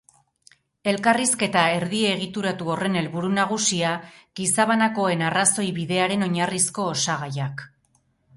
Elkarrizketa erdi egituratu horren helburu nagusia gizabanakoen arrazoibidearen oinarrizko osagaiak.